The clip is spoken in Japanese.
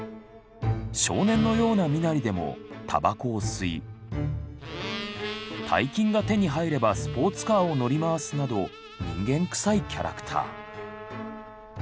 少年のような身なりでもたばこを吸い大金が手に入ればスポーツカーを乗り回すなど人間くさいキャラクター。